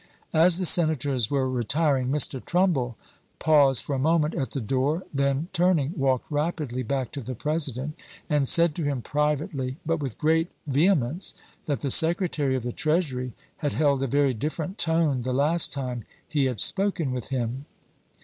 As the Senators were retiring, Mr. Trum bull paused for a moment at the door, then, turn ing, walked rapidly back to the President and said to him privately, but with great vehemence, that the Secretary of the Treasury had held a very dif ferent tone the last time he had spoken with him.